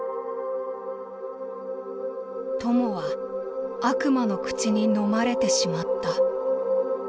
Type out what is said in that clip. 「友は、悪魔の口にのまれてしまった」。